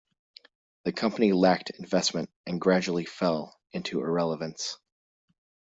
The company lacked investment and gradually fell into irrelevance.